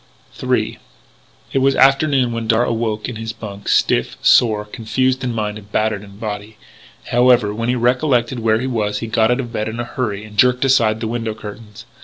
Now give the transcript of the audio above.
III It was afternoon when Darragh awoke in his bunk, stiff, sore, confused in mind and battered in body. However, when he recollected where he was he got out of bed in a hurry and jerked aside the window curtains.